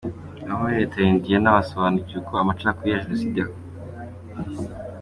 Abo muri Leta ya Indiana basobanuriwe uko amacakubiri ya Jenoside yakongejwe.